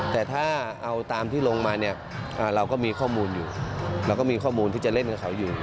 แต่ถ้าเอาตามที่ลงมาเนี่ยเราก็มีข้อมูลอยู่เราก็มีข้อมูลที่จะเล่นกับเขาอยู่